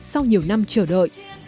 sau nhiều năm chờ đợi